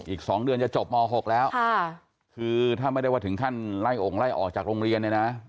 อีก๒เดือนจะจบม๖แล้วคือถ้าไม่ได้ว่าถึงขั้นไล่องค์ไล่ออกจากโรงเรียนเนี่ยนะ